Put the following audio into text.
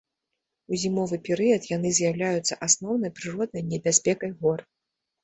У зімовы перыяд яны з'яўляюцца асноўнай прыроднай небяспекай гор.